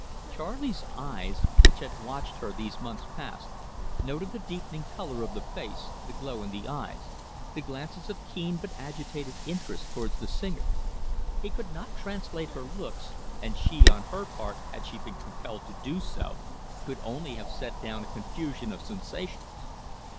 Charley's eyes, which had watched her these months past, noted the deepening colour of the face, the glow in the eyes, the glances of keen but agitated interest towards the singer. He could not translate her looks; and she, on her part, had she been compelled to do so, could only have set down a confusion of sensations.